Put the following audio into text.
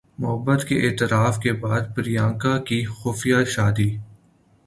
محبت کے اعتراف کے بعد پریانکا کی خفیہ شادی